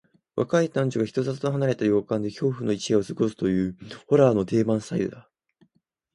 若い男女が人里離れた洋館で恐怖の一夜を過ごすという、ホラーの定番スタイルだ。